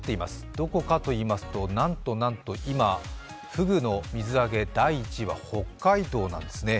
どこかといいますと、なんとなんと、今、ふぐの水揚げ第１位は北海道なんですね。